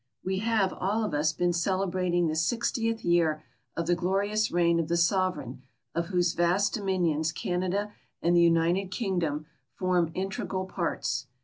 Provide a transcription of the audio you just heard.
We have all of us been celebrating the sixtieth 3'ear of the glorious reign of the Sovereign of whose vast dominions Canada and the United Kingdom form integral parts.